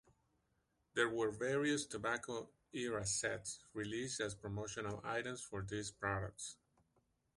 There were various tobacco era sets released as promotional items for these products.